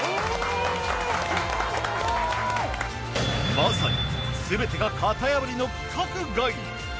まさにすべてが型破りの規格外。